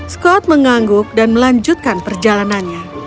scott mengangguk dan melanjutkan perjalanannya